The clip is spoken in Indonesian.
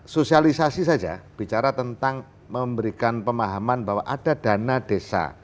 sosialisasi saja bicara tentang memberikan pemahaman bahwa ada dana desa